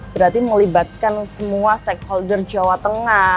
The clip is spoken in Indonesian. berarti melibatkan semua stakeholder jawa tengah